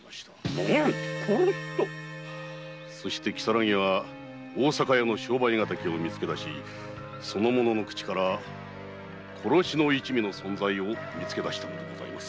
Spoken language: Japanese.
何殺しと⁉そして如月は大阪屋の商売敵を見つけ出しその者の口から殺しの一味の存在を見つけだしたのです。